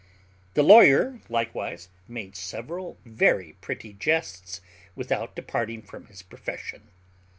The lawyer likewise made several very pretty jests without departing from his profession.